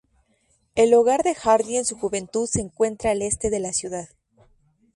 El hogar de Hardy en su juventud se encuentra al este de la ciudad.